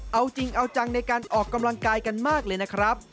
เอาจริงเอาจังในการออกกำลังกายกันมากเลยนะครับ